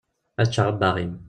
Ad ččeɣ abbaɣ-im.